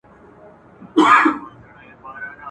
له خپلو منبرونو به مو ږغ د خپل بلال وي ..